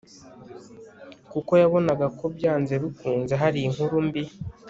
kuko yabonaga ko byanze bikunze hari inkuru mbi